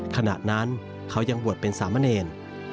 ขณะนั้นเขายังบวชเป็นสามเณร